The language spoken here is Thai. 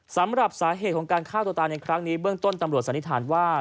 สำหรับสาเหตุของการฆ่าตัวตายในครั้งนี้เบื้องต้นตำรวจสันนิษฐานว่า